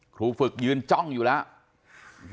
ครูฝึกยืนจ้องอยู่แล้ว